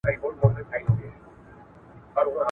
صنعتي کاروبار څنګه د مدیریت سیستم ښه کوي؟